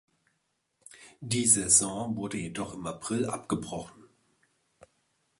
Die Saison wurde jedoch im April abgebrochen.